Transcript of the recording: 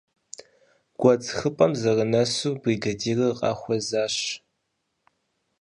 Гуэдз хыпӀэм зэрынэсу, бригадирыр къахуэзащ.